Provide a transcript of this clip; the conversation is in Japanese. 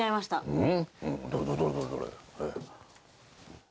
うん。